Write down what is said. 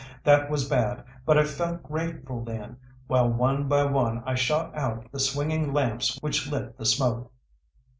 That was bad, but I felt grateful then, while one by one I shot out the swinging lamps which lit the smoke.